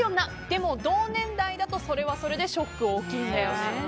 でも、同年代だとそれはそれでショックが大きいんだよね。